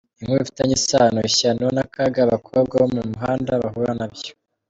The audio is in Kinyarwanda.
Inkuru bifitanye isano: Ishyano n’akaga abakobwa bo mu muhanda bahura nabyo.